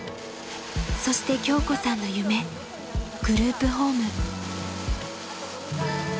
［そして京子さんの夢グループホーム］